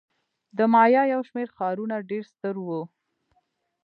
د مایا یو شمېر ښارونه ډېر ستر وو.